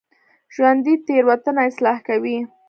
ژوندي تېروتنه اصلاح کوي